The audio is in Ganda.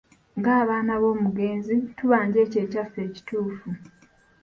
Nga abaana b'omugenzi, tubanja ekyo ekyaffe ekituufu.